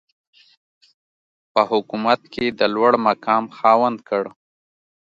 په حکومت کې د لوړمقام خاوند کړ.